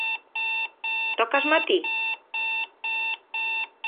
Tócasma ti?